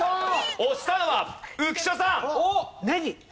押したのは浮所さん！